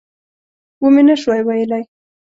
ومې نه شوای ویلای.